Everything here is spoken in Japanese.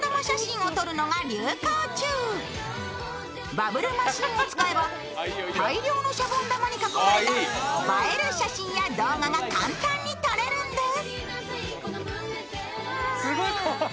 バブルマシーンを使えば大量のシャボン玉に囲まれた映える写真や動画が簡単に撮れるんです。